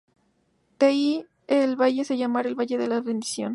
De ahí que el valle se llamara "El Valle de la Bendición".